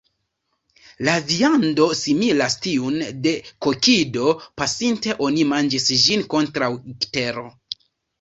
La viando similas tiun de kokido; pasinte oni manĝis ĝin kontraŭ iktero.